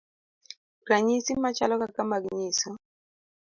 Ranyisi machalo kaka mag nyiso